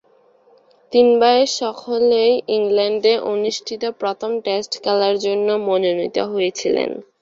তিন ভাইয়ের সকলেই ইংল্যান্ডে অনুষ্ঠিত প্রথম টেস্ট খেলার জন্য মনোনীত হয়েছিলেন।